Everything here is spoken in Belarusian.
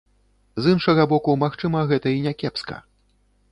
З іншага боку, магчыма, гэта і някепска.